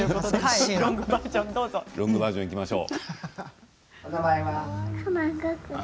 ロングバージョンいきましょう。